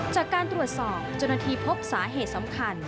จากการตรวจสอบเจ้าหน้าที่พบสาเหตุสำคัญ